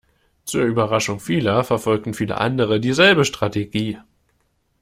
Zur Überraschung vieler verfolgen viele andere dieselbe Strategie.